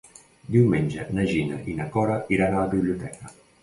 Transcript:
Diumenge na Gina i na Cora iran a la biblioteca.